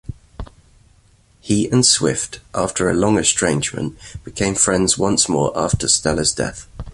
He and Swift, after a long estrangement, became friends once more after Stella's death.